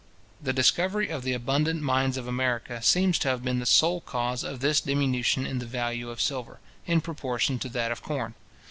The discovery of the abundant mines of America seems to have been the sole cause of this diminution in the value of silver, in proportion to that of corn.